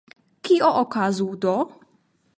Kio okazu do?